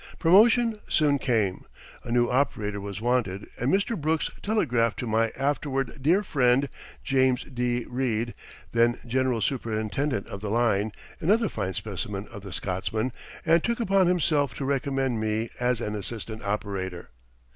Promotion soon came. A new operator was wanted and Mr. Brooks telegraphed to my afterward dear friend James D. Reid, then general superintendent of the line, another fine specimen of the Scotsman, and took upon himself to recommend me as an assistant operator.